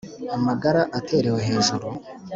Amagara aterewe hejuru